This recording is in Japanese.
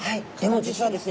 実はですね。